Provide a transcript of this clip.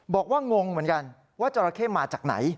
งงเหมือนกันว่าจราเข้มาจากไหน